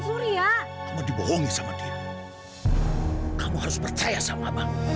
surya dibohongi sama kamu harus percaya sama